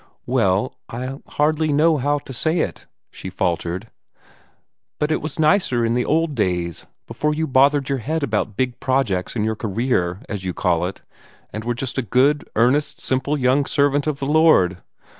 "Well I hardly know how to say it," she faltered, "but it was nicer in the old days, before you bothered your head about big projects, and your career, as you call it, and were just a good, earnest, simple young servant of the Lord.